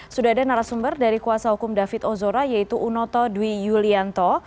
sudah ada narasumber dari kuasa hukum david ozora yaitu unoto dwi yulianto